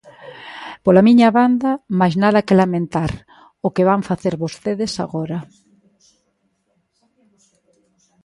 Pola miña banda, máis nada que lamentar o que van facer vostedes agora.